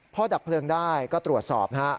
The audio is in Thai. พอดับเพลิงได้ก็ตรวจสอบนะฮะ